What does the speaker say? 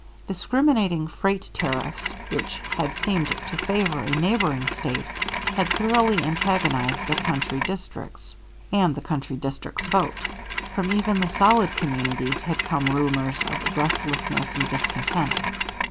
Discriminating freight tariffs, which had seemed to favor a neighboring State, had thoroughly antagonized the country districts and the country districts' vote. From even the solid communities had come rumors of restlessness and discontent.